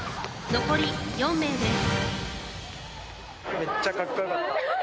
残り４名です。